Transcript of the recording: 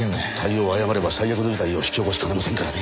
対応を誤れば最悪の事態を引き起こしかねませんからね。